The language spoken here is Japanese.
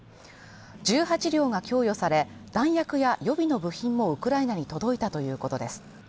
１８両が供与され、弾薬や予備の部品もウクライナに届いたということです。